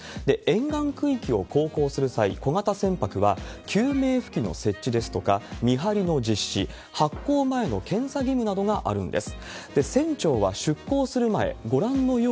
沿岸区域を航行する際、小型船舶は、救命浮器の設置ですとか、見張りの実施、発航前の検査義務などがあるんです。